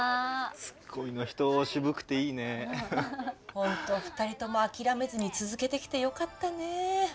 ほんと２人とも諦めずに続けてきてよかったね！